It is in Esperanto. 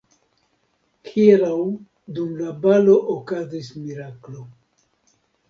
Hieraŭ dum la balo okazis miraklo.